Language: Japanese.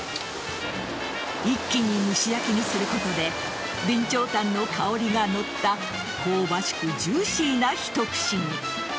一気に蒸し焼きにすることで備長炭の香りが乗った香ばしくジューシーなひと串に。